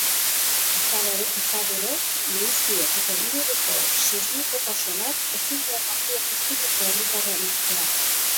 Izan ere, pitzadurek, luiziek eta inguruko sismikotasunak ezinegon handia piztu dute herritarren artean.